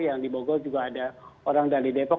yang di bogor juga ada orang dari depok